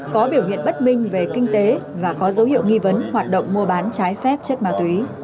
có biểu hiện bất minh về kinh tế và có dấu hiệu nghi vấn hoạt động mua bán trái phép chất ma túy